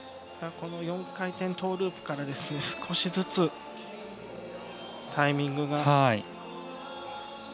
４回転トーループから少しずつタイミングが。